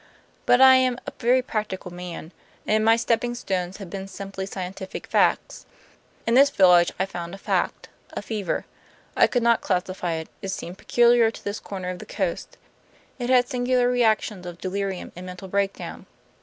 But I am a very practical man; and my stepping stones have been simply scientific facts. In this village I found a fact a fever. I could not classify it; it seemed peculiar to this corner of the coast; it had singular reactions of delirium and mental breakdown.